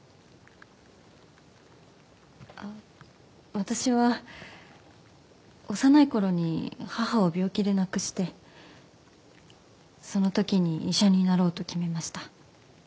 私は幼い頃に母を病気で亡くしてその時に医者になろうと決めました。